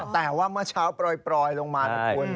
แต่ว่าเมื่อเช้าปล่อยลงมานะคุณ